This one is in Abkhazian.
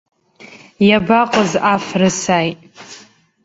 Иабаҟаз, аф рысааит.